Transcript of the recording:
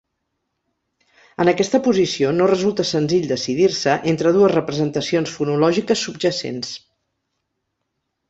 En aquesta posició no resulta senzill decidir-se entre dues representacions fonològiques subjacents.